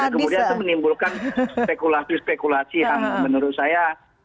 kemudian itu menimbulkan spekulasi spekulasi yang menurut saya